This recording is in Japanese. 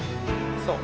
そう。